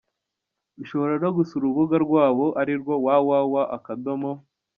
Ushobora no gusura urubuga rwabo arirwo www.